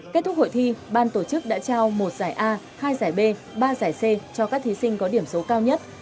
kết thúc hội thi ban tổ chức đã trao một giải a hai giải b ba giải c cho các thí sinh có điểm số cao nhất